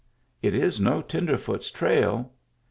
" It is no tenderfoot's trail."